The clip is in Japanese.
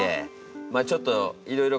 まあちょっといろいろ